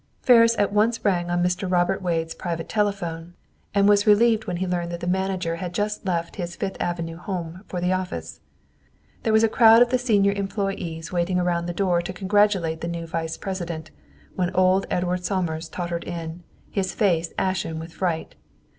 Ferris at once rang on Mr. Robert Wade's private telephone, and was relieved when he learned that the manager had just left his Fifth Avenue home for the office. There was a crowd of the senior employees waiting around the door to congratulate the new vice president, when old Edward Somers tottered in, his face ashen with fright.